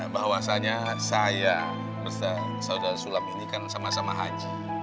bahwasanya saya ustadz sulam ini kan sama sama haji